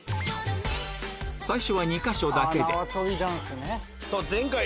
最初は２か所だけで